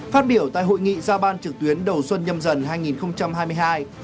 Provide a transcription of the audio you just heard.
phát biểu tại hội nghị giao ban trực tuyến đầu xuân nhâm dần hai nghìn hai mươi hai